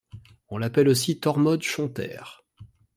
On l'appelle aussi Tormod Chontair.